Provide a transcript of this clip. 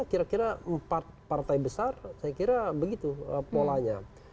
kira kira empat partai besar saya kira begitu polanya